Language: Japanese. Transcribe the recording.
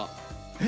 え？